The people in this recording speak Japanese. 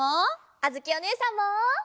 あづきおねえさんも！